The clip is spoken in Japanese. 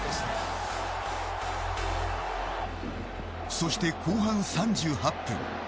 そして後半３８分。